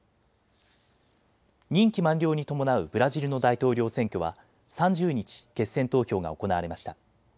任期満了に伴うブラジルの大統領選挙は３０日、決選投票が行われました。